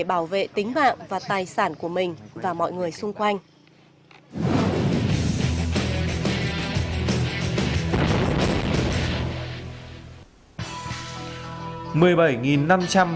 và để bảo vệ tính mạng và tài sản của mình và mọi người xung quanh